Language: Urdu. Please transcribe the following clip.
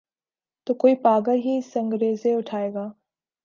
تو کوئی پاگل ہی سنگریزے اٹھائے گا۔